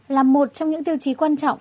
là một trong những tiêu chí quan trọng